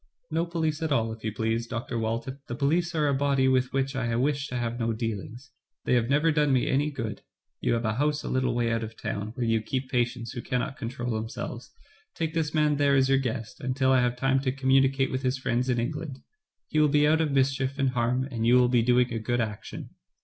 *' "No police at all, if you please, Dr. Walton. The police are a body with which I wish to have no dealings. They have never done me any good. You have a house a little way out of town, where you keep patients who cannot control themselves. Take this man there as your guest, until I have time to communicate with his friends in England. He will be out of mischief and harm, and you will be doing a good action."